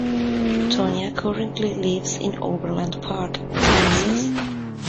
Tonya currently lives in Overland Park, Kansas.